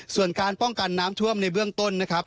ส่วนการป้องกันน้ำท่วมในเบื้องต้นนะครับ